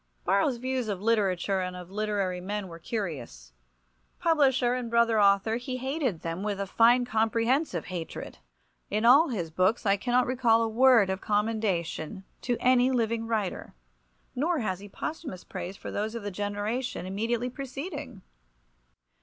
Borrow's views of literature and of literary men were curious. Publisher and brother author, he hated them with a fine comprehensive hatred. In all his books I cannot recall a word of commendation to any living writer, nor has he posthumous praise for those of the generation immediately preceding.